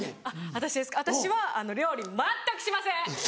私ですか私は料理全くしません！